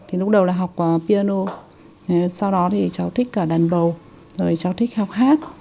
thì lúc đầu là học piano sau đó thì cháu thích cả đàn bầu rồi cháu thích học hát